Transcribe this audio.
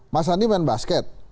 mas sandi main basket